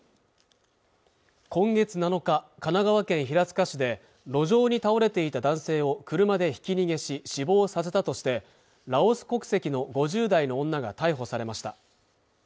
今月７日神奈川県平塚市で路上に倒れていた男性を車でひき逃げし死亡させたとしてラオス国籍の５０代の女が逮捕されました